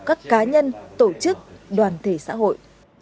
các cá nhân tổ chức đoàn thể xã hội